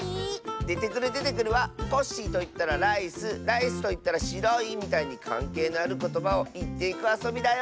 「デテクルデテクル」は「コッシーといったらライスライスといったらしろい」みたいにかんけいのあることばをいっていくあそびだよ！